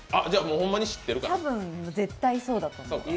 多分、絶対そうだと思う。